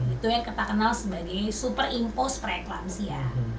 itu yang kita kenal sebagai superimpos preeklampsia